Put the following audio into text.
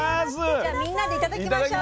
じゃあみんなで頂きましょう。